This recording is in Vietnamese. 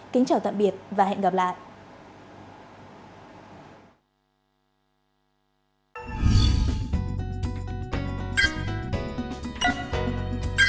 kính chào tạm biệt và hẹn gặp lại